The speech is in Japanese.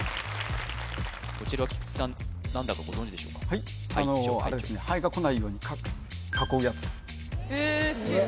こちらは菊地さん何だかご存じでしょうかはいちょうはいハエが来ないように囲うやつへえすげえ